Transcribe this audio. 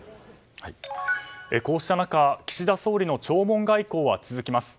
こうした中岸田総理の弔問外交は続きます。